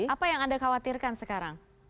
apa yang anda khawatirkan sekarang